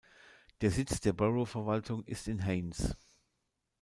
Der Sitz der Borough-Verwaltung ist in Haines.